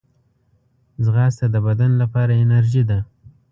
ځغاسته د بدن لپاره انرژي ده